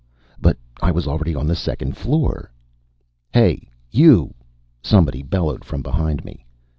But I was already on the second floor. "Hey, you!" somebody bellowed from behind me.